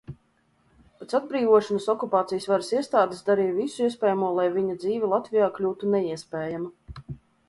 Pēc atbrīvošanas okupācijas varas iestādes darīja visu iespējamo, lai viņa dzīve Latvijā kļūtu neiespējama.